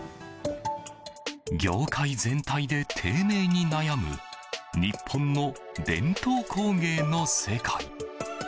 業界全体で低迷に悩む日本の伝統工芸の世界。